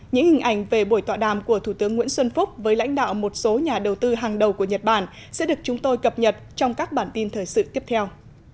những hình ảnh về buổi tọa đàm của thủ tướng nguyễn xuân phúc với lãnh đạo một số nhà đầu tư hàng đầu của nhật bản sẽ được chúng tôi cập nhật trong các bản tin thời sự tiếp theo